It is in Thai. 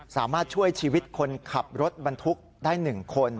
สามารถช่วยชีวิตคนขับรถบรรทุกได้๑คน